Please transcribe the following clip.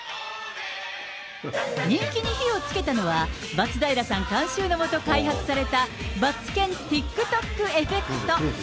人気に火をつけたのは、松平さん監修のもと開発された、マツケンＴｉｋＴｏｋエフェクト。